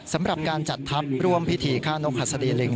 สำหรับการจัดทัพร่วมพิธีฆ่านกหัสดีลิง